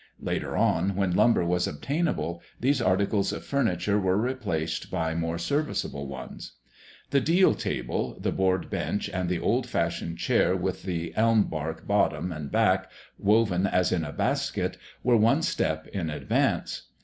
Later on, when lumber was obtainable, these articles of furniture were replaced by more serviceable ones. The deal table, the board bench, and the old fashioned chair with the elm bark bottom and back, woven as in a basket, were one step in advance.